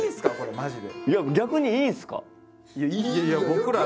マジで。